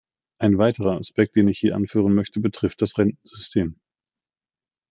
Ein weiterer Aspekt, den ich hier anführen möchte, betrifft das Rentensystem.